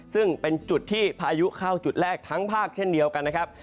ซึ่งเป็นจุดที่พายุเข้าจุดแรกทั้งภาคเช่นเดียวกันนะครับ